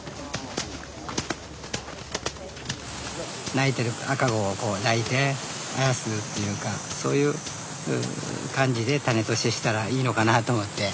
泣いてる赤子を抱いてあやすっていうかそういう感じでタネと接したらいいのかなと思って。